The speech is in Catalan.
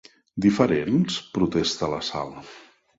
¿Diferents?, protesta la Sal.